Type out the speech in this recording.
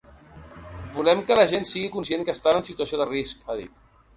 Volem que la gent sigui conscient que estan en situació de risc, ha dit.